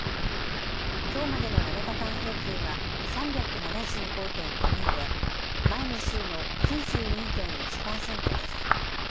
きょうまでの７日間平均は３７５．９人で前の週の９２．１％です。